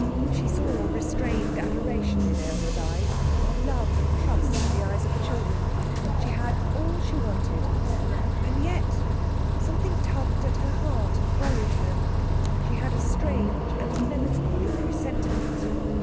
She saw restrained adoration in Aylmer's eyes, love and trust in the eyes of the children. She had all she wanted. And yet something tugged at her heart, and worried her. She had a strange and melancholy presentiment.